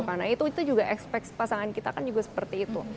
karena itu juga expect pasangan kita kan juga seperti itu